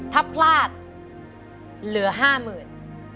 ถ้าพลาดเหลือห้าหมื่น